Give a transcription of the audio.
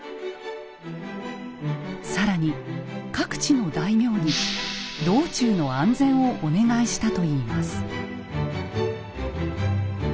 更に各地の大名にも道中の安全をお願いしたといいます。